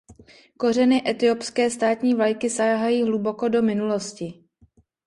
Kořeny etiopské státní vlajky sahají hluboko do minulosti.